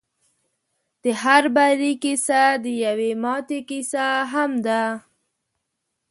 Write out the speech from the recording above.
د هر بري کيسه د يوې ماتې کيسه هم ده.